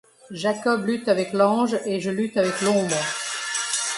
Jacob lutte avec l'Ange, et je lutte avec l'Ombre.